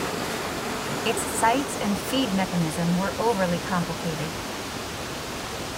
Its sights and feed mechanism were overly complicated.